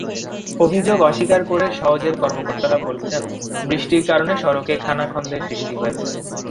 অভিযোগ অস্বীকার করে সওজের কর্মকর্তারা বলছেন, বৃষ্টির কারণে সড়কে খানাখন্দের সৃষ্টি হয়েছে।